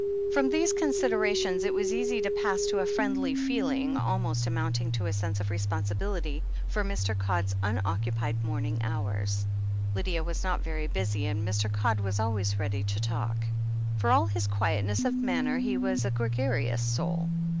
From these considerations it was easy to pass to a friendly feeling, almost amounting to a sense of re sponsibility, for Mr. Codd's unoccupied morning hours. Lydia was not very busy, and Mr. Codd was always ready to talk. For all his quietness of manner, he was a gregarious soul.